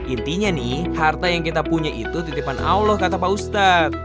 intinya nih harta yang kita punya itu titipan allah kata pak ustadz